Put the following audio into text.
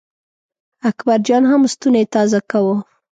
اکبر جان هم ستونی تازه کاوه.